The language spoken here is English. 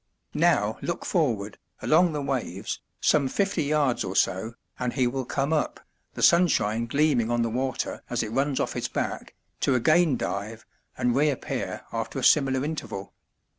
Now look forward, along the waves, some fifty yards or so, and he will come up, the sunshine gleaming on the water as it runs off his back, to again dive, and reappear after a similar interval.